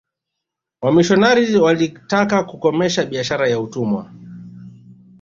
wamishionari walitaka kukomesha biashara ya utumwa